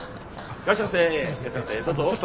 いらっしゃいませどうぞ。